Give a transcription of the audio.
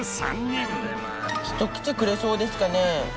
人来てくれそうですかね？